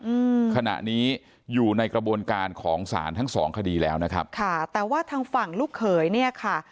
อืมขณะนี้อยู่ในกระบวนการของศาลทั้งสองคดีแล้วนะครับค่ะแต่ว่าทางฝั่งลูกเขยเนี้ยค่ะ